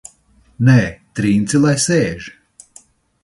Nē, Trince lai sēž!